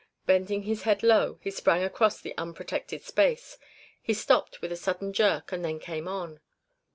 Bending his head low he sprang across the unprotected space. He stopped with a sudden jerk and then came on.